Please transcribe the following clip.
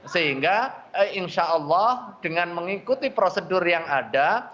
sehingga insya allah dengan mengikuti prosedur yang ada